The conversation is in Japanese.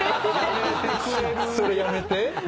それやめて？